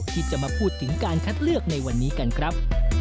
ที่จะมาพูดถึงการคัดเลือกในวันนี้กันครับ